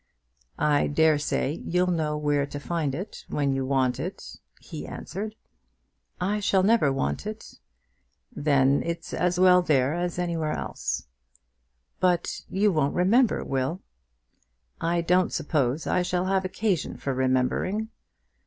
"I dare say you'll know where to find it when you want it," he answered. "I shall never want it." "Then it's as well there as anywhere else." "But you won't remember, Will." "I don't suppose I shall have occasion for remembering."